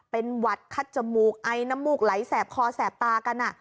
เป็นหวัดคัดจมูกไอน้ำมูกไหลแสบคอแสบตากัน